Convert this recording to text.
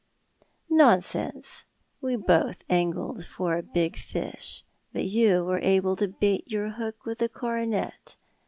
"'" Nonsense; we botli angled for a big fish, but you were able to bait your hook with a coronet.